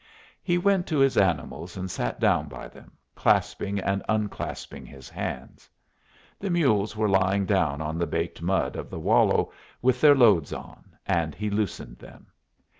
He went to his animals and sat down by them, clasping and unclasping his hands. The mules were lying down on the baked mud of the wallow with their loads on, and he loosed them.